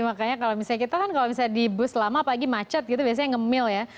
makanya kalau misalnya kita kan kalau misalnya di bus lama apalagi macet gitu biasanya ngemil ya